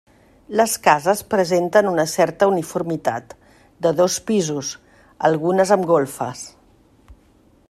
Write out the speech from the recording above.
Les cases presenten una certa uniformitat: de dos pisos, algunes amb golfes.